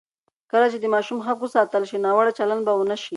کله چې د ماشوم حق وساتل شي، ناوړه چلند به ونه شي.